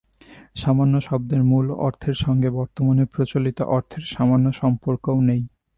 সামান্য শব্দের মূল অর্থের সঙ্গে বর্তমানে প্রচলিত অর্থের সামান্য সম্পর্কও নেই।